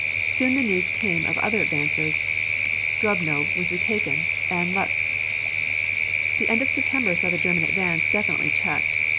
Soon the news came of other advances. Dubno was retaken and Lutsk. The end of September saw the German advance definitely checked.